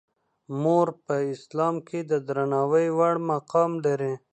مور په اسلام کې د درناوي وړ مقام لري.